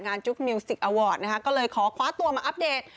จุ๊บมิวสิกอวอร์ดนะคะก็เลยขอคว้าตัวมาอัปเดต